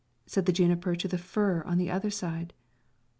said the juniper to the fir on the other side.